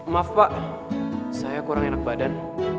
maaf pak saya kurang enak badan